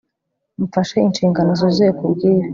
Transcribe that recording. mfashe inshingano zuzuye kubwibi